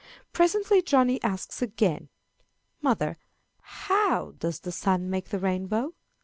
Presently Johnny asks again, "Mother, how does the sun make the rainbow?"